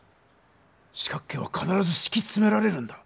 四角形はかならずしきつめられるんだ。